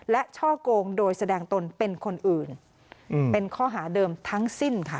และช่อกงโดยแสดงตนเป็นคนอื่นเป็นข้อหาเดิมทั้งสิ้นค่ะ